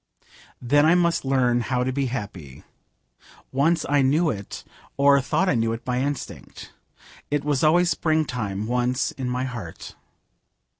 Then I must learn how to be happy. Once I knew it, or thought I knew it, by instinct. It was always springtime once in my heart.